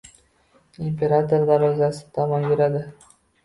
imperator darvozasi tomon yuradi.